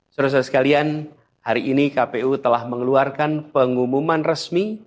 saudara saudara sekalian hari ini kpu telah mengeluarkan pengumuman resmi